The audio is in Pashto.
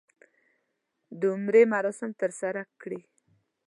د عمرې مراسم ترسره کړي.